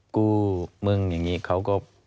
กูมึงอย่างนี้เขาก็